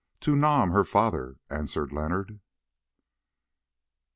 "To Nam, her father," answered Leonard.